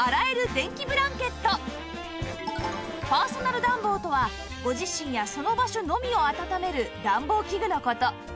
パーソナル暖房とはご自身やその場所のみをあたためる暖房器具の事